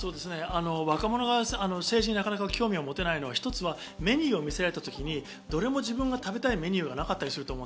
若者が政治になかなか興味を持てないのは一つはメニューを見せられた時にどれも自分が食べたいメニューがなかったりすると思う。